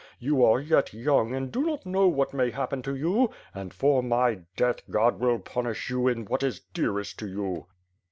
You are yet young and do not know what may happen to you; and, for my death, God will punish you in what is dearest to you."